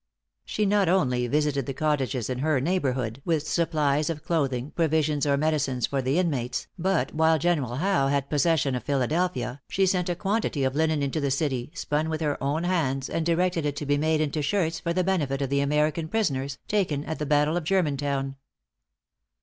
She not only visited the cottages in her neighborhood with supplies of clothing, provisions, or medicines for the inmates, but while General Howe had possession of Philadelphia, she sent a quantity of linen into the city, spun with her own hands, and directed it to be made into shirts for the benefit of the American prisoners taken at the battle of Germantown.